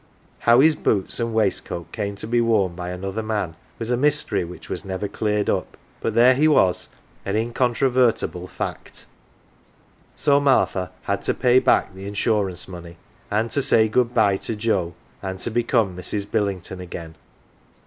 How his boots and his waistcoat came to be worn by another man was a mystery which was never cleared up. But there he was, an incontrovertible fact ; so Martha had to pay back the insurance money, 168 AUNT JINNY and to say good bye to Joe, and to Income Mi's. Billington again.